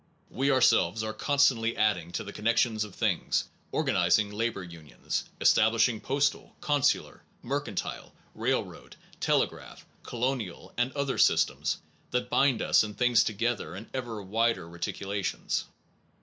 We ourselves are constantly adding to the connections of things, organizing labor unions, establishing postal, consular, mercantile, railroad, tele graph, colonial, and other systems that bind us and things together in ever wider reticula tions.